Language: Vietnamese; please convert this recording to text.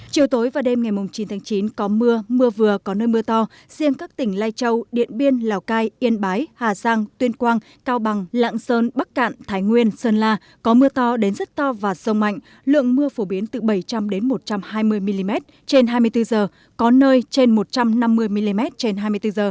chiều tối và đêm ngày chín tháng chín có mưa mưa vừa có nơi mưa to riêng các tỉnh lai châu điện biên lào cai yên bái hà giang tuyên quang cao bằng lạng sơn bắc cạn thái nguyên sơn la có mưa to đến rất to và rông mạnh lượng mưa phổ biến từ bảy trăm linh một trăm hai mươi mm trên hai mươi bốn h có nơi trên một trăm năm mươi mm trên hai mươi bốn h